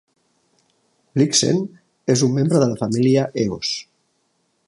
"Blixen" és un membre de la família Eos.